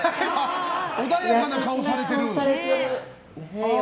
穏やかな顔をされてる！